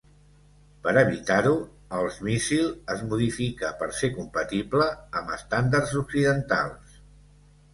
Per evitar-ho, els míssil es modifica per ser compatible amb estàndards occidentals.